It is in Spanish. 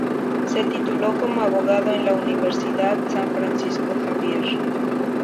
Se tituló como abogado en la Universidad San Francisco Xavier.